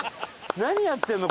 何やってんの？